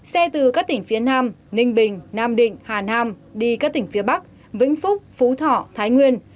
xe từ các tỉnh phía nam ninh bình nam định hà nam đi các tỉnh phía bắc vĩnh phúc phú thọ thái nguyên